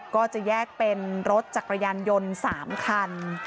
ก็จะแยกเป็นรถจักรยานยนต์๓คัน